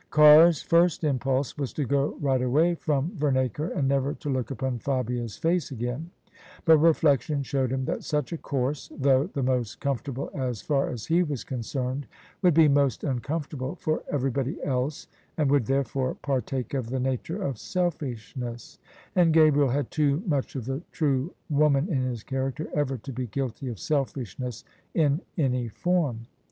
Carr's first impulse was to go right away from Vernacre and never to look upon Fabia's face again: but reflection showed him that such a course — ^though the most comfortable as far as he was concerned — ^would be most uncomfortable for everybody else and would therefore partake of the nature of selfishness: and Gabriel had too much of the true woman in his character ever to be guilty of selfishness in any form.